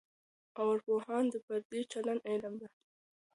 ارواپوهنه د فردي چلند علم دی.